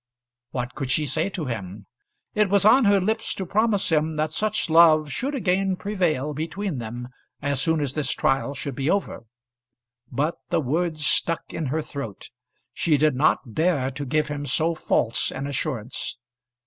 What could she say to him? It was on her lips to promise him that such love should again prevail between them as soon as this trial should be over; but the words stuck in her throat. She did not dare to give him so false an assurance.